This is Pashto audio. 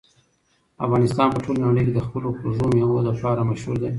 افغانستان په ټوله نړۍ کې د خپلو خوږو مېوو لپاره مشهور دی.